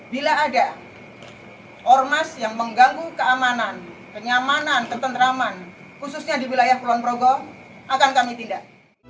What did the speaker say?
bila ada ormas yang mengganggu keamanan kenyamanan ketentraman khususnya di wilayah kulon progo akan kami tindak